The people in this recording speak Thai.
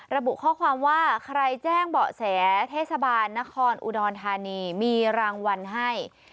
ระบุข้อความว่าใครแจ้งเบาะแสเทศบาลนครอุดรธานีมีรางวัลให้